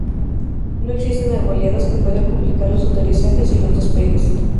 No existen arboledas que puedan complicar los aterrizajes y los despegues.